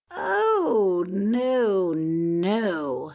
"Oh! no, no!"